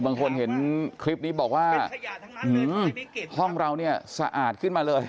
บางคนเห็นคลิปนี้บอกว่าห้องเราเนี่ยสะอาดขึ้นมาเลย